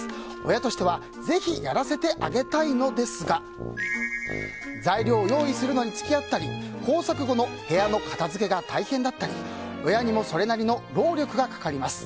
親としてはぜひやらせてあげたいのですが材料を用意するのに付き合ったり工作後の部屋の片付けが大変だったり親にもそれなりの労力がかかります。